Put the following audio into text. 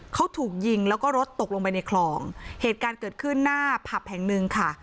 เขาถูกยิงแล้วก็รถตกลงไปในคลองเหตุการณ์เกิดขึ้นหน้าผับแห่งหนึ่งค่ะ